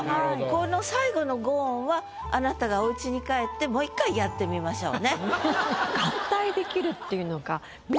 この最後の５音はあなたがおうちに帰ってもう一回やってみましょうね。